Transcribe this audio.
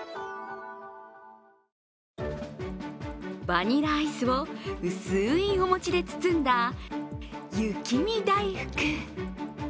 バニラアイスを薄いお餅で包んだ雪見だいふく。